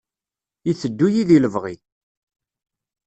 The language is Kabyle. Iteddu-yi deg lebɣi.